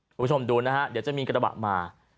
คุณผู้ชมดูนะฮะเดี๋ยวจะมีกระบะมา